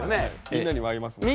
みんなにも会いますもんね。